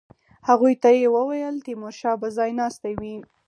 هغوی ته یې وویل تیمورشاه به ځای ناستی وي.